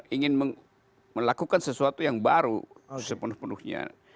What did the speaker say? ingin melakukan sesuatu yang baru sepenuh penuhnya